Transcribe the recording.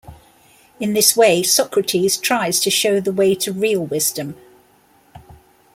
In this way Socrates tries to show the way to real wisdom.